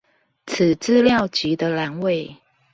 此資料集的欄位